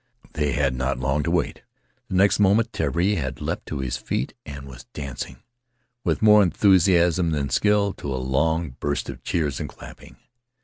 They had not long to wait. Next moment Terii had leaped to his feet and was dancing, with more enthusiasm than skill, to a long burst of cheers and clapping.